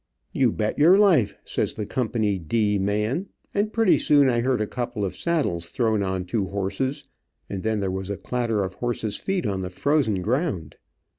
"You bet your life," says the Company "D" man, and pretty soon I heard a couple of saddles thrown on two horses, and then there was a clatter of horses feet on the frozen ground.